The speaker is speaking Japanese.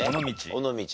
尾道。